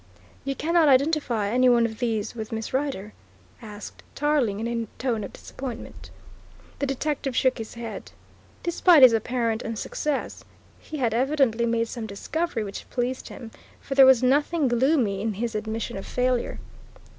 "You cannot identify any of these with Miss Rider?" asked Tarling in a tone of disappointment. The detective shook his head. Despite his apparent unsuccess, he had evidently made some discovery which pleased him, for there was nothing gloomy in his admission of failure.